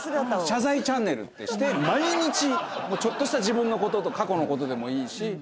謝罪チャンネルってして毎日ちょっとした自分のことと過去のことでもいいし。